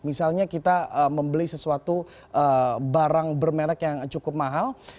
misalnya kita membeli sesuatu barang bermerek yang cukup mahal